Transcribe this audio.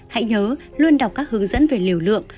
hãy nhớ luôn đọc các hướng dẫn về liều lượng